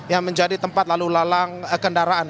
yang menjadi tempat lalu lalang kendaraan